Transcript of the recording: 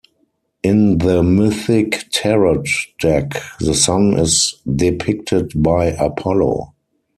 In the Mythic Tarot deck, the Sun is depicted by Apollo.